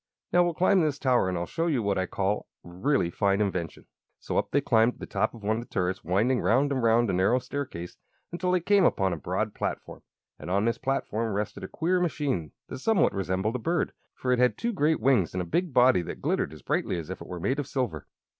Now we'll climb this tower, and I'll show you what I call a really fine invention." So up they climbed to the top of one of the turrets, winding round and round a narrow staircase until they came upon a broad platform. And on this platform rested a queer machine that somewhat resembled a bird, for it had two great wings and a big body that glittered as brightly as if it were made of silver.